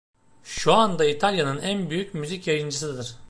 Şu anda İtalya’nın en büyük müzik yayıncısıdır.